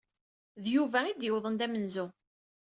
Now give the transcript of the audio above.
D Yuba i d-yewwḍen d amenzu.